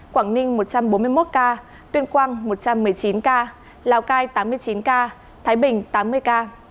quảng ninh một trăm bốn mươi một ca tuyên quang một trăm một mươi chín ca lào cai tám mươi chín ca thái bình tám mươi ca